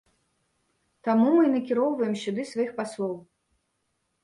Таму мы і накіроўваем сюды сваіх паслоў.